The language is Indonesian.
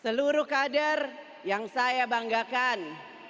seluruh kader yang saya banggakan